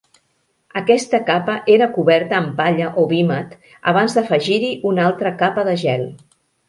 Aquesta capa era coberta amb palla o vímet abans d'afegir-hi una altra capa de gel.